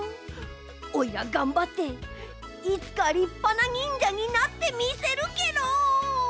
オイラがんばっていつかりっぱな忍者になってみせるケロ！